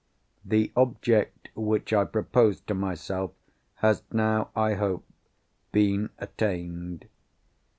The object which I proposed to myself has now, I hope, been attained.